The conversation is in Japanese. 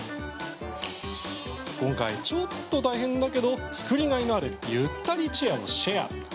今回、ちょっと大変だけど作りがいのあるゆったりチェアをシェア。